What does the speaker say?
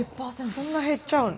そんな減っちゃうの。